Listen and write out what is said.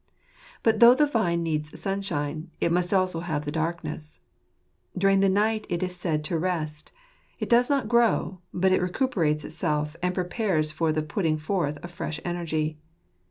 But though the vine needs sunshine, it must also have the darkness. During the night it is said to rest ; it does not grow ; but it recuperates itself and prepares for the putting forth of fresh energy.